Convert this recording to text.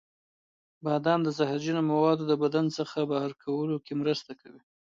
بادام د زهرجنو موادو د بدن څخه بهر کولو کې مرسته کوي.